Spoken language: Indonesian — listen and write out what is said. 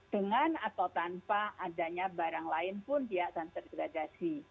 dengan atau tanpa adanya barang lain pun dia akan tergradasi